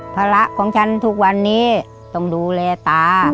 ภาระของฉันทุกวันนี้ต้องดูแลตา